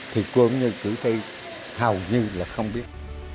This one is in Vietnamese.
thì cũng như cử tri hầu như là không biết